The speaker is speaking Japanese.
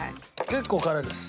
結構辛いです。